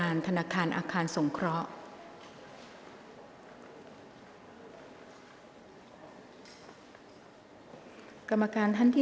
กรรมการท่านแรกนะคะได้แก่กรรมการใหม่เลขกรรมการขึ้นมาแล้วนะคะ